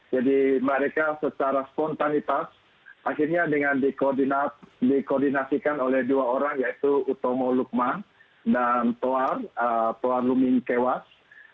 jadi mereka secara spontanitas akhirnya dengan dikoordinasikan oleh dua orang yaitu utomo lukman dan toar rumin kewas